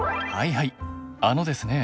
はいあのですね